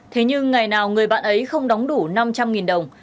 thế nhưng ngày nào người bạn ấy không đóng đủ năm trăm linh đồng